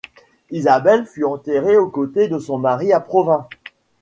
Isabelle fut enterrée aux côtés de son mari à Provins.